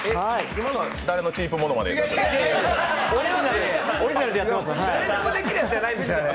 今のは誰のチープものまね？